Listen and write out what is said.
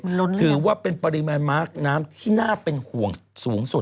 มันล้นนี่หรอถือว่าเป็นปริมาณมากน้ำที่น่าเป็นห่วงสูงสุด